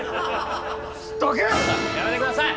やめてください！